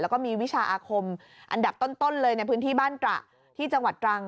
แล้วก็มีวิชาอาคมอันดับต้นเลยในพื้นที่บ้านตระที่จังหวัดตรัง